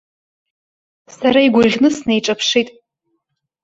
Сара игәаӷьны снеиҿаԥшит.